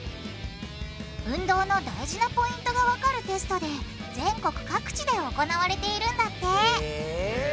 運動の大事なポイントがわかるテストで全国各地で行われているんだってへぇ。